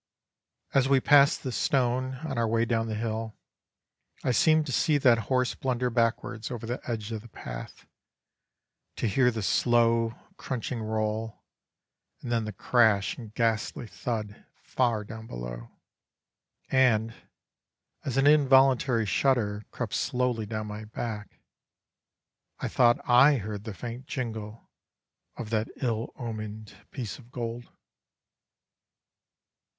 As we passed the stone, on our way down the hill, I seemed to see that horse blunder backwards over the edge of the path, to hear the slow, crunching roll, and then the crash and ghastly thud, far down below; and, as an involuntary shudder crept slowly down my back, I thought I heard the faint jingle of that ill omened piece of gold.